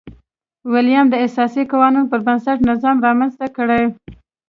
ویلیم د اساسي قانون پربنسټ نظام رامنځته کړي.